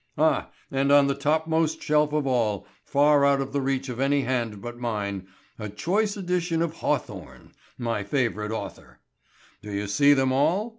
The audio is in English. And on the topmost shelf of all, far out of the reach of any hand but mine, a choice edition of Hawthorne—my favorite author. Do you see them all?